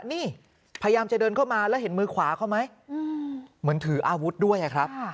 นี่พยายามจะเดินเข้ามาแล้วเห็นมือขวาเขาไหมเหมือนถืออาวุธด้วยครับ